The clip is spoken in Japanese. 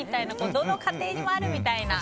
どの家庭にもあるみたいな感じ。